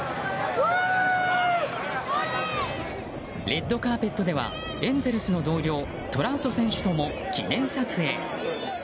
レッドカーペットではエンゼルスの同僚トラウト選手とも記念撮影。